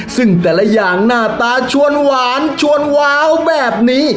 ซึ่งแต่ละอย่างหน้าตาชวนหวานชวนว้าวแบบนี้